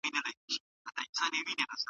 تاسو باید دا کیسه له خپلو ملګرو سره شریکه کړئ.